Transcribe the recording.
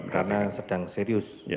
karena sedang serius